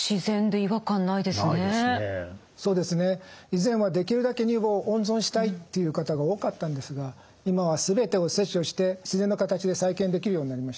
以前はできるだけ乳房を温存したいっていう方が多かったんですが今は全てを切除して自然な形で再建できるようになりました。